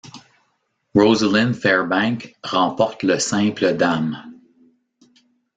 Rosalyn Fairbank remporte le simple dames.